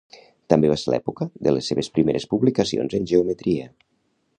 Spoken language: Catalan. També va ser l'època de les seves primeres publicacions en geometria.